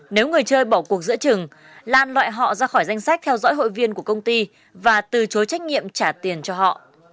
nếu người chơi bỏ cuộc giữa trường lan loại họ ra khỏi danh sách theo dõi hội viên của công ty và từ chối trách nhiệm trả tiền cho họ